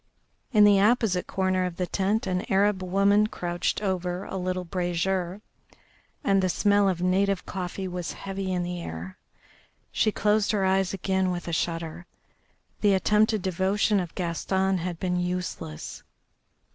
In the opposite corner of the tent an Arab woman crouched over a little brazier, and the smell of native coffee was heavy in the air. She closed her eyes again with a shudder. The attempted devotion of Gaston had been useless.